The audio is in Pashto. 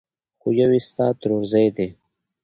خو يو يې ستا ترورزی دی!